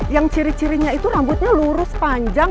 yang ciri cirinya itu rambutnya lurus panjang